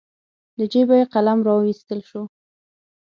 له جېبې قلم راواييستل شو.